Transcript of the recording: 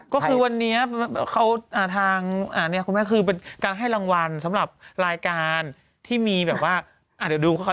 ก็คือวันนี้เขาทางคุณแม่คือเป็นการให้รางวัลสำหรับรายการที่มีแบบว่า